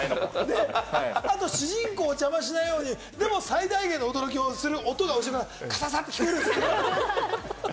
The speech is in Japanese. あと主人公を邪魔しないように、でも最大限の驚きをする音がカサカサって後ろで聞こえた。